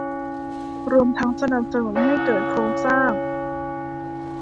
รวมทั้งสนับสนุนให้เกิดโครงสร้าง